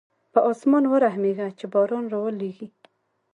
په اسمان ورحمېږه چې باران راولېږي.